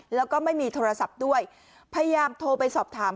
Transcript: แล้วก็ไม่มีโทรศัพท์ด้วยพยายามโทรไปสอบถาม